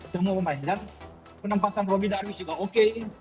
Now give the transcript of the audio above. semua pemain dan penempatan roby darwi juga oke